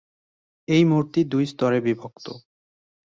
এই মূর্তি দুই স্তরে বিভক্ত।